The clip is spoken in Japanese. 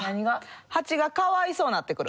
ハチがかわいそうになってくる。